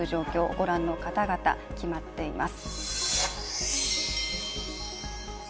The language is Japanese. ご覧の方々、決まっています。